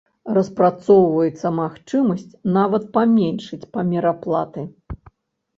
Распрацоўваецца магчымасць нават паменшыць памер аплаты.